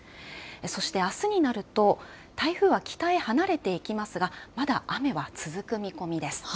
そして、あすになると台風は北へ離れていきますがまだ雨は続く見込みです。